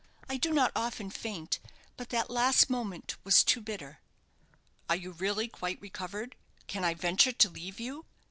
I do not often faint; but that last moment was too bitter." "Are you really quite recovered? Can I venture to leave you?"